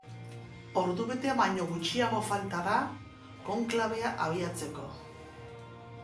Ordubete baino gutxiago falta da konklabea abiatzeko.